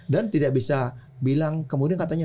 dan tidak bisa bilang kemudian katanya